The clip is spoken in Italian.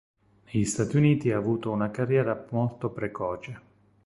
Negli Stati Uniti ha avuto una carriera molto precoce.